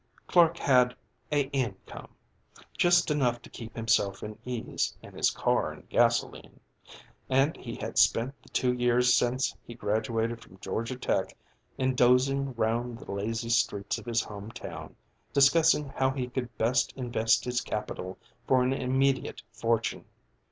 Clark had "a income" just enough to keep himself in ease and his car in gasolene and he had spent the two years since he graduated from Georgia Tech in dozing round the lazy streets of his home town, discussing how he could best invest his capital for an immediate fortune.